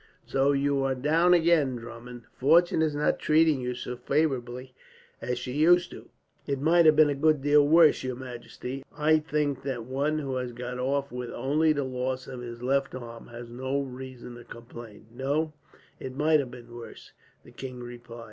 "So you are down again, Drummond. Fortune is not treating you so favourably as she used to do." "It might have been a good deal worse, your majesty. I think that one who has got off with only the loss of his left arm has no reason to complain." "No, it might have been worse," the king replied.